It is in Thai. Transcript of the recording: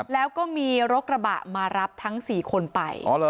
แล้วก็มีรถกระบะมารับทั้ง๔คนไป